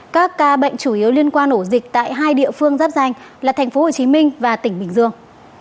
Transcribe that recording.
các ca bệnh chủ yếu liên quan nổ dịch tại hai địa phương giáp danh là tp hcm và tỉnh bình dương